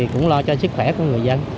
cũng lo cho sức khỏe của người dân